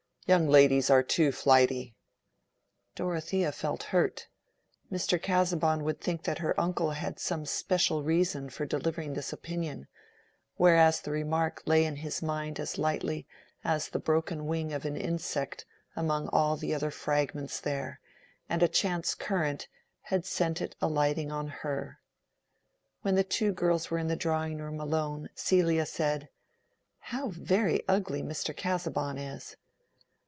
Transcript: Young ladies are too flighty." Dorothea felt hurt. Mr. Casaubon would think that her uncle had some special reason for delivering this opinion, whereas the remark lay in his mind as lightly as the broken wing of an insect among all the other fragments there, and a chance current had sent it alighting on her. When the two girls were in the drawing room alone, Celia said— "How very ugly Mr. Casaubon is!"